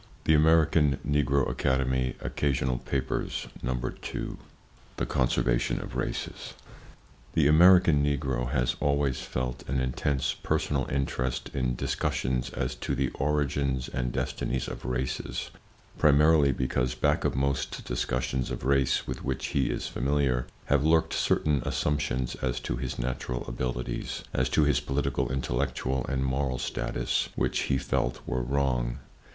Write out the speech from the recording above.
[Pg 4] [Pg 5] THE CONSERVATION OF RACES. The American Negro has always felt an intense personal interest in discussions as to the origins and destinies of races: primarily because back of most discussions of race with which he is familiar, have lurked certain assumptions as to his natural abilities, as to his political, intellectual and moral status, which he felt were wrong.